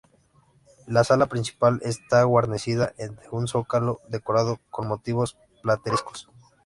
La sala principal está guarnecida de un zócalo decorado con motivos platerescos.